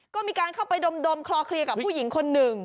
ก็มีการเข้าไปดมคลอเคลียร์กับผู้หญิงคนหนึ่ง